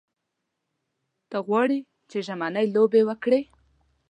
ته غواړې چې ژمنۍ لوبې وکړې.